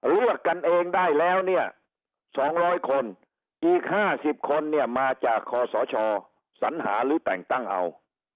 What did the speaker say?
เลือกกันเองได้แล้ว๒๐๐คนอีก๕๐คนมาจากคศสัญหาหรือแต่งตั้งเอา